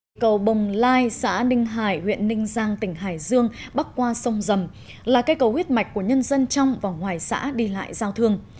cây cầu bồng lai xã ninh hải huyện ninh giang tỉnh hải dương bắc qua sông dầm là cây cầu huyết mạch của nhân dân trong và ngoài xã đi lại giao thương